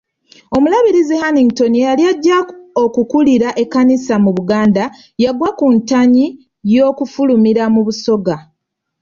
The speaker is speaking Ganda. Omulabirizi Hannington eyali ajja okukulira Ekkanisa mu Buganda, yagwa ku ntanyi y'okufulumira mu Busoga.